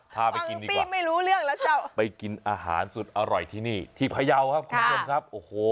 พาไปกินดีกว่าไปกินอาหารสุดอร่อยที่นี่ที่พยาวครับคุณผู้ชมครับโอ้โห